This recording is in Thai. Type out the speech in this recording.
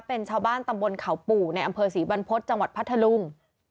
เป็นชาวบ้านตำบลเขาปู่ในอำเภอศรีบรรพฤษจังหวัดพัทธลุง